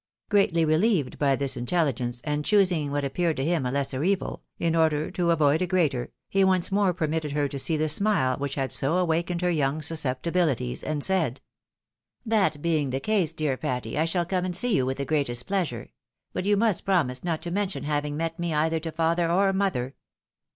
Greatly reUeved by this iatelligence, and choosing what ap peared to him a lesser evil, in order to avoid a greater, he once more permitted her to see the smile which had so awakened her young susceptibilities, and said, "That being the ease, dear Patty, I shall come and see you with the greatest pleasure ; but you must promise not to men tion having met me either to father or mother.